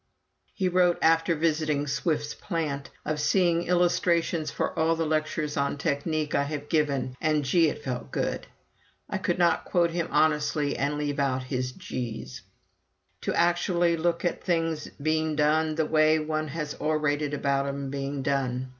He wrote, after visiting Swift's plant, of "seeing illustrations for all the lectures on technique I have given, and Gee! it felt good. [I could not quote him honestly and leave out his "gees"] to actually look at things being done the way one has orated about 'em being done.